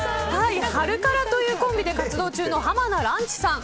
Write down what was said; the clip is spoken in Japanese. ハルカラというコンビで活動中の浜名ランチさん。